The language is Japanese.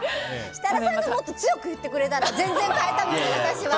設楽さんがもっと強く言ってくれたら全然変えたのに、私は。